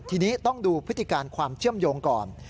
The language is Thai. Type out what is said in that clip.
ทีนี้ต้องดูพฤติการความเชื่อมโยงก่อน